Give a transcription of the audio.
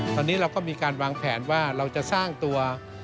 ตอนนี้เราก็มีการวางแผนว่าเราจะสร้างตัว